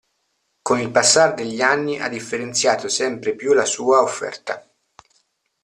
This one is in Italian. Con il passare degli anni ha differenziato sempre più la sua offerta.